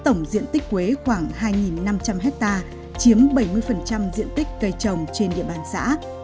tổng diện tích quế khoảng hai năm trăm linh hectare chiếm bảy mươi diện tích cây trồng trên địa bàn xã